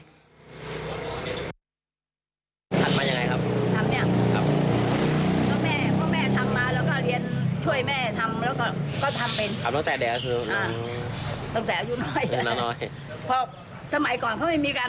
ทำมายังไงครับ